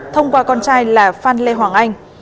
thông qua con trai là phan lê hoàng anh